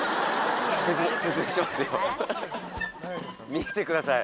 見てください